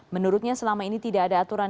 menurutnya selama ini tidak ada aturan